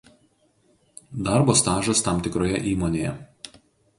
darbo stažas tam tikroje įmonėje